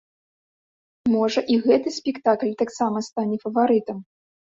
Можа, і гэты спектакль таксама стане фаварытам.